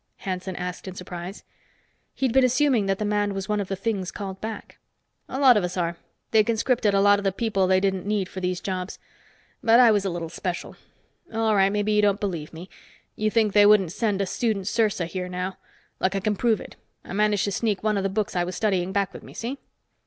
Hanson asked in surprise. He'd been assuming that the man was one of the things called back. "A lot of us are. They conscripted a lot of the people they didn't need for these jobs. But I was a little special. All right, maybe you don't believe me you think they wouldn't send a student sersa here now. Look, I can prove it. I managed to sneak one of the books I was studying back with me. See?"